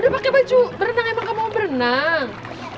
udah pakai baju berenang emang kamu berenang